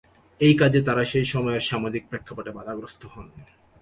এই কাজে তারা সেই সময়ের সামাজিক প্রেক্ষাপটে বাধাগ্রস্থ হন।